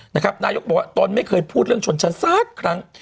นายกบอกว่าตนไม่เคยพูดเรื่องชนชั้นสักครั้ง